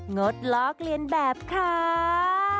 งดล๊อกเรียนแบบค่าาาาาาาาาาาา